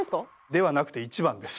ではなくて１番です。